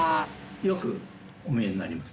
よくお見えになります。